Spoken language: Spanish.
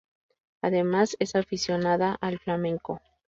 Además, es aficionada al flamenco.